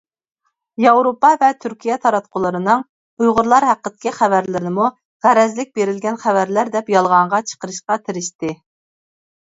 ياۋروپا ۋە تۈركىيە تاراتقۇلىرىنىڭ ئۇيغۇرلار ھەققىدىكى خەۋەرلىرىنىمۇ غەرەزلىك بېرىلگەن خەۋەرلەر دەپ يالغانغا چىقىرىشقا تىرىشتى.